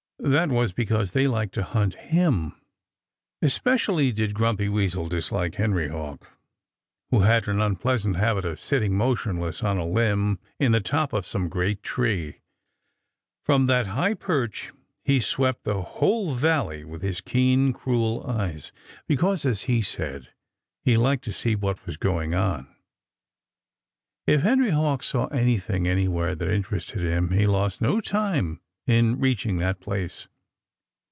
That was because they liked to hunt him. Especially did Grumpy Weasel dislike Henry Hawk, who had an unpleasant habit of sitting motionless on a limb in the top of some great tree. From that high perch he swept the whole valley with his keen, cruel eyes, because (as he said) he "liked to see what was going on." If Henry Hawk saw anything anywhere that interested him he lost no time in reaching that place.